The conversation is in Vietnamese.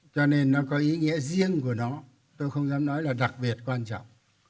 cho nên nó có ý nghĩa riêng của nó tôi không dám nói là đặc biệt quan trọng